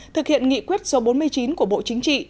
thực hiện nghị quyết số bốn mươi chín của bộ chính trị